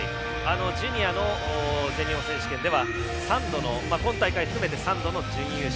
ジュニアの全日本選手権では今大会含めて３度の準優勝。